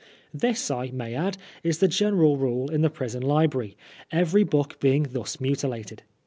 This, I may add, is the general rule in the prison library, every book being thus mutilated.